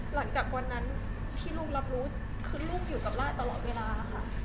หลังจากวันนั้นที่ลูกรับรู้คือลูกอยู่กับล่าตลอดเวลาค่ะ